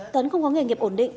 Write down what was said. tuấn không có nghề nghiệp ổn định